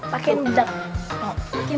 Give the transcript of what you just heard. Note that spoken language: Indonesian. pakai yang bedak